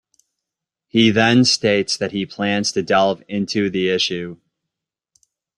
He then states that he plans to delve into the issue.